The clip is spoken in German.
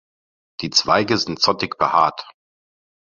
Die Zweige sind zottig behaart.